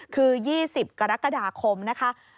คือ๒๐กรกฎาคมนะคะ